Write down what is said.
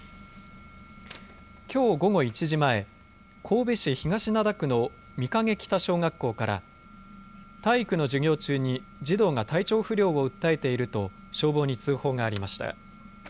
きょう午後１時前、神戸市東灘区の御影北小学校から体育の授業中に児童が体調不良を訴えていると消防に通報がありました。